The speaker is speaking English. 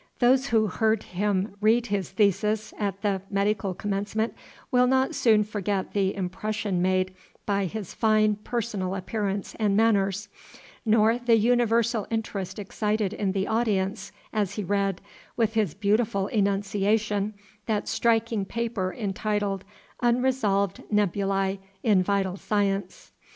Those who heard him read his Thesis at the Medical Commencement will not soon forget the impression made by his fine personal appearance and manners, nor the universal interest excited in the audience, as he read, with his beautiful enunciation, that striking paper entitled "Unresolved Nebulae in Vital Science."